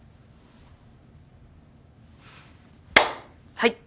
はい。